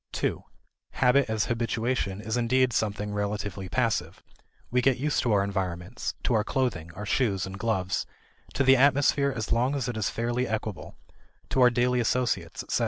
2 Habit as habituation is indeed something relatively passive; we get used to our surroundings to our clothing, our shoes, and gloves; to the atmosphere as long as it is fairly equable; to our daily associates, etc.